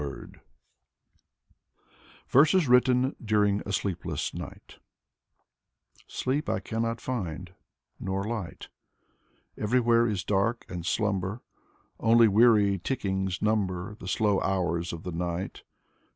'* lO Alexander Pushkin VERSES WRITTEN DURING A SLEEPLESS NIGHT Sleep I cannot find, nor light: Everywhere is dark and slumber, Only weary tickings number The slow hours of the night.